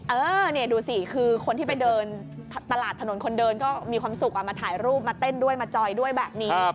เออนี่ดูสิคือคนที่ไปเดินตลาดถนนคนเดินก็มีความสุขมาถ่ายรูปมาเต้นด้วยมาจอยด้วยแบบนี้